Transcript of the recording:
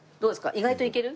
意外といける？